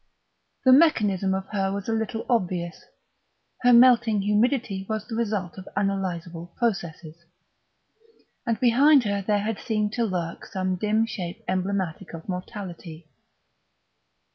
The mechanism of her was a little obvious; her melting humidity was the result of analysable processes; and behind her there had seemed to lurk some dim shape emblematic of mortality.